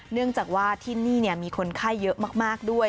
เนื่องจากว่าที่นี่มีคนไข้เยอะมากด้วย